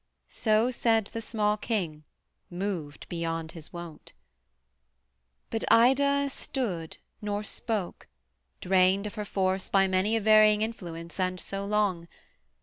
So said the small king moved beyond his wont. But Ida stood nor spoke, drained of her force By many a varying influence and so long.